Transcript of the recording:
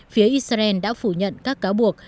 phía israel đã phủ nhận các cáo buộc